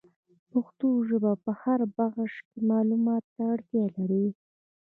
پښتو ژبه په هر بخش کي معلوماتو ته اړتیا لري.